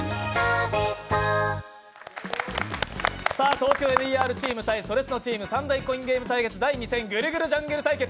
「ＴＯＫＹＯＭＥＲ」チーム対「それスノ」チーム、３大コインゲーム「ぐるぐるジャングル対決」